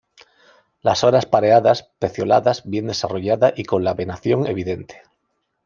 Las horas pareadas, pecioladas bien desarrollada y con la venación evidente.